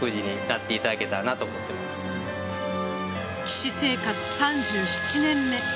棋士生活３７年目。